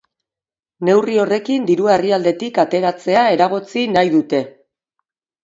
Neurri horrekin dirua herrialdetik ateratzea eragotzi nahi dute.